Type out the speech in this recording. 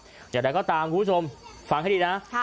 เดี๋ยวเราก็ตามคุณผู้ชมฟังให้ดีนะ